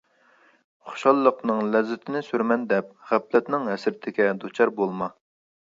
خۇشاللىقنىڭ لەززىتىنى سۈرىمەن دەپ غەپلەتنىڭ ھەسرىتىگە دۇچار بولما.